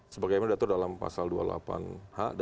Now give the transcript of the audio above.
sebagai yang ada dalam pasal dua puluh delapan h